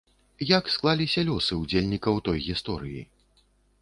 Як склаліся лёсы ўдзельнікаў той гісторыі?